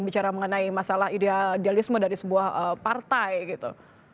bicara mengenai masalah idealisme dari sebuah partai gitu